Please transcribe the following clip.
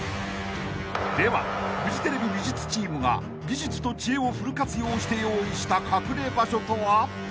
［ではフジテレビ美術チームが技術と知恵をフル活用して用意した隠れ場所とは？］